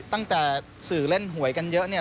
ตั้งแต่สื่อเล่นหวยกันเยอะเนี่ย